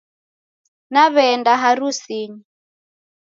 Naw'enda harusinyi